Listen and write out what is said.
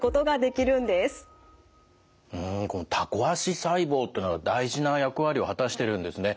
このタコ足細胞っていうのは大事な役割を果たしてるんですね。